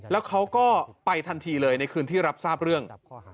แล้วเขาก็ไปทันทีเลยในคืนที่รับทราบเรื่อง